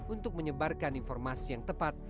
untuk menyebarkan informasi yang tepat